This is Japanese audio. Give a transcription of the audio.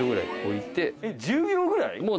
えっ１０秒ぐらい？